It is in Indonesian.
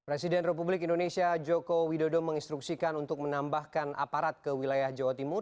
presiden republik indonesia joko widodo menginstruksikan untuk menambahkan aparat ke wilayah jawa timur